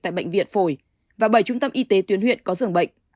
tại bệnh viện phổi và bảy trung tâm y tế tuyến huyện có dường bệnh